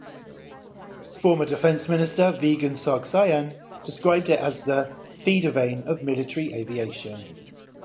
Former defense minister Vigen Sargsyan described it as the "Feeder vein of military aviation".